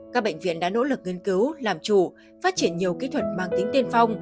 các bệnh viện đã nỗ lực nghiên cứu làm chủ phát triển nhiều kỹ thuật mang tính tiên phong